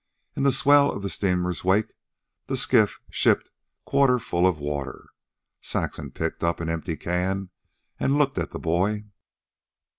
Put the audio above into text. In the swell of the steamer's wake, the skiff shipped quarter full of water. Saxon picked up an empty can and looked at the boy.